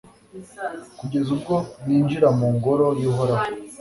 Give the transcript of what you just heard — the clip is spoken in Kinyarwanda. kugeza ubwo ninjira mu Ngoro y’Uhoraho